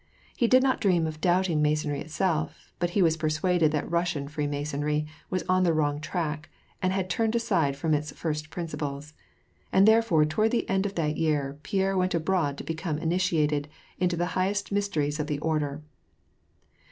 He did not dream of doubting Masonry itself, but he was persuaded that Russian Freemasonry was on the wrong track, and had turned aside from its first principles. And, therefore, toward the end of that year, Pierre went abroad to become initiated in the highest mysteries of the Order.